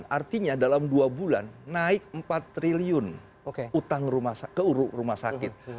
artinya dalam dua bulan naik empat triliun utang ke rumah sakit